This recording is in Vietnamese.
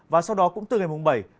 và sau đó cũng từ ngày bảy